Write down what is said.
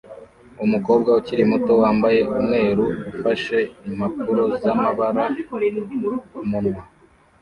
Umukobwa ukiri muto wambaye umweru ufashe impapuro zamabara kumunwa